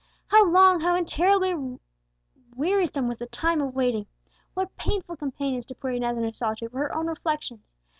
How long, how intolerably wearisome was the time of waiting! What painful companions to poor Inez in her solitude were her own reflections!